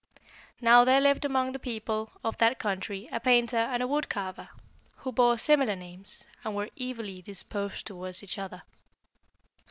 Now there lived among the people of that country a painter and a wood carver, who bore similar names, and were evilly disposed towards each other.